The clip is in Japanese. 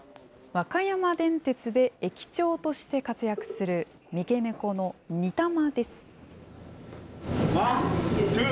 和歌山電鉄で、駅長として活躍する三毛猫のニタマです。